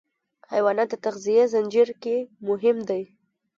حیوانات د تغذیې زنجیر کې مهم دي.